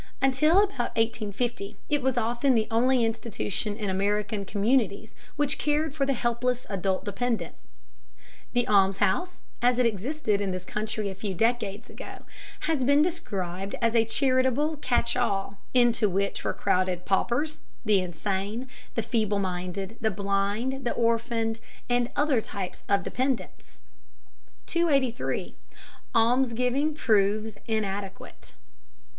Until about 1850 it was often the only institution in American communities which cared for the helpless adult dependent. The almshouse, as it existed in this country a few decades ago, has been described as a charitable catch all, into which were crowded paupers, the insane, the feeble minded, the blind, the orphaned, and other types of dependents. 283. ALMSGIVNG PROVES INADEQUATE.